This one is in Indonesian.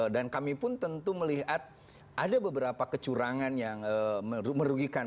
dan kami pun tentu melihat ada beberapa kecurangan yang merugikan